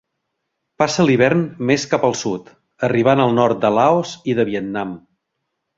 Passa l'hivern més cap al sud, arribant al nord de Laos i de Vietnam.